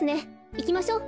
いきましょう。